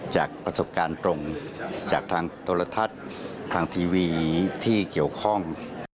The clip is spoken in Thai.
จากประสบการณ์ตรงจากทางโทรทัศน์ทางทีวีที่เกี่ยวข้อง